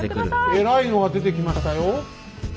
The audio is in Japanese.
えらいのが出てきましたよ？